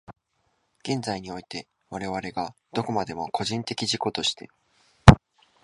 現在において、我々がどこまでも個人的自己として、